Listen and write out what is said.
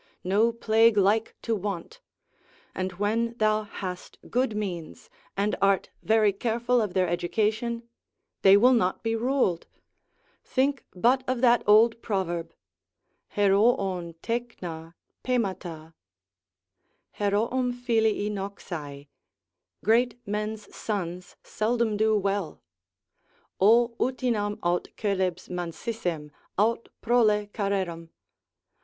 No plague like to want: and when thou hast good means, and art very careful of their education, they will not be ruled. Think but of that old proverb, ᾑρώων τέκνα πήματα, heroum filii noxae, great men's sons seldom do well; O utinam aut coelebs mansissem, aut prole carerem!